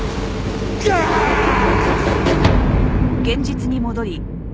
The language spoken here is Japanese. ああっ！